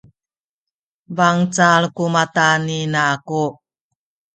bangcal ku mata ni ina aku